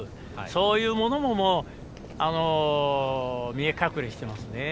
そういうものも見え隠れしてますね。